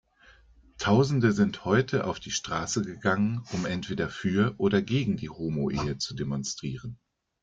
Tausende sind heute auf die Straße gegangen, um entweder für oder gegen die Homoehe zu demonstrieren.